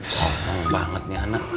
banget banget nih anak